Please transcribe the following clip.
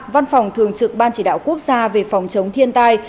văn phòng thường trực ban chỉ đạo quốc gia về phòng chống thiên tai